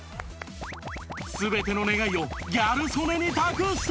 全ての願いをギャル曽根に託して